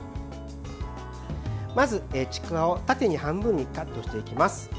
まず、ちくわを縦に半分にカットしていきます。